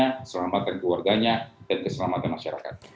keselamatan keluarganya dan keselamatan masyarakat